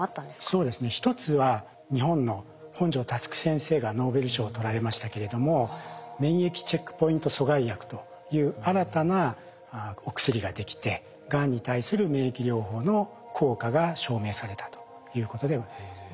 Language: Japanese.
そうですね一つは日本の本庶佑先生がノーベル賞を取られましたけれども免疫チェックポイント阻害薬という新たなお薬ができてがんに対する免疫療法の効果が証明されたということでございます。